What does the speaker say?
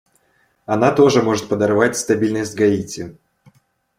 Она тоже может подорвать стабильность Гаити.